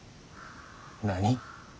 何？